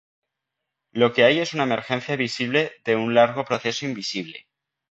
Lo que hay es una emergencia visible de un largo proceso invisible.